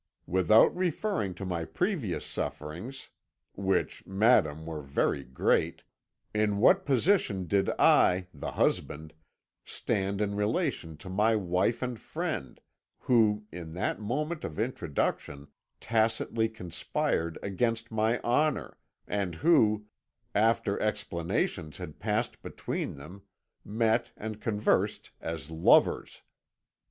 Without referring to my previous sufferings which, madame, were very great in what position did I, the husband, stand in relation to my wife and friend, who, in that moment of introduction, tacitly conspired against my honour, and who, after explanations had passed between them, met and conversed as lovers?